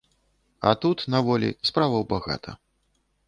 А тут, на волі, справаў багата.